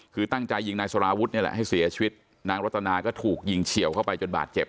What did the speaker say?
คือตั้งใจยิงนายสารวุฒินี่แหละให้เสียชีวิตนางรัตนาก็ถูกยิงเฉียวเข้าไปจนบาดเจ็บ